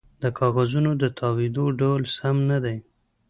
د کاغذونو د تاویدو ډول سم نه دی